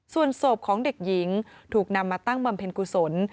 ส่วนศพของเด็กหญิงถูกนำมาตั้งบำเพ็ญกุศล